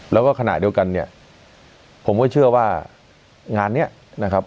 แล้วก็ขณะเดียวกันเนี่ยผมก็เชื่อว่างานนี้นะครับ